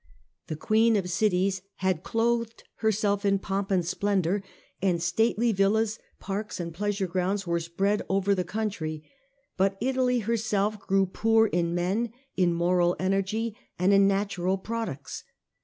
The ^. queen of cities had clothed herself in pomp The ominous ,,^ i mi i signs of de And splendour ; and stately villas, parks, population. pleasure grounds were spread over the country ; but Italy herself grew poor in men, in moral energy, and in natural products.